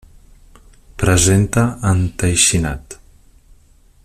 Presenta enteixinat.